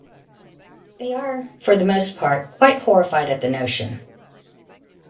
They are, for the most part, quite horrified at the notion.